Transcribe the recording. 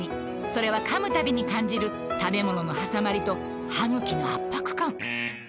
それは噛むたびに感じる食べ物のはさまりと歯ぐきの圧迫感ビーッビーッ